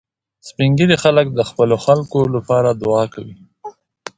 سپین ږیری د خپلو خلکو د خوښۍ لپاره دعا کوي